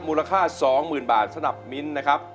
มูลค่า๒๐๐๐บาทสำหรับมิ้นนะครับ